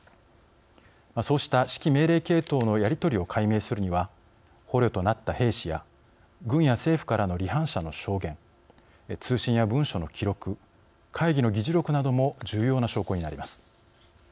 そうした指揮命令系統のやり取りを解明するには捕虜となった兵士や軍や政府からの離反者の証言通信や文書の記録会議の議事録なども重要な証拠になります。